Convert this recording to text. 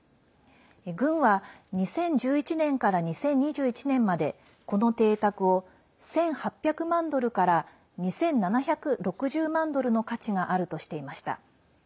郡は２０１１年から２０２１年まで、この邸宅を１８００万ドルから２７６０万ドルの価値があるとしていました。